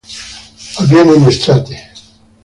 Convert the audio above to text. Avviene in estate.